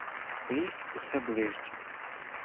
Ліс усе ближче.